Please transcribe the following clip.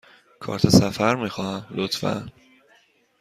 کارت سفر می خواهم، لطفاً.